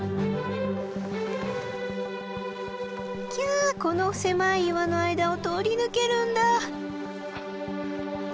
キャこの狭い岩の間を通り抜けるんだ。